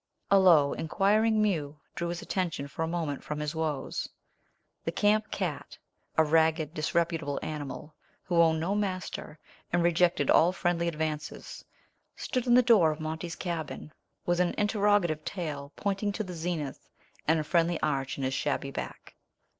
A low, inquiring mew drew his attention for a moment from his woes. The camp cat a ragged, disreputable animal, who owned no master, and rejected all friendly advances stood in the door of Monty's cabin, with an interrogative tail pointing to the zenith and a friendly arch in his shabby back.